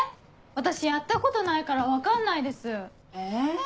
私やったことないから分かんないです！え？